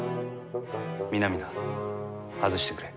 皆々外してくれ。